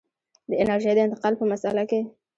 د انرژۍ د انتقال په مسأله کې.